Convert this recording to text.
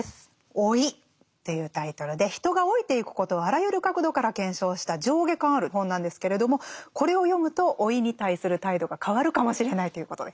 「老い」というタイトルで人が老いていくことをあらゆる角度から検証した上下巻ある本なんですけれどもこれを読むと老いに対する態度が変わるかもしれないということで。